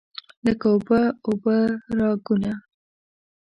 لکه اوبه، اوبه راګونه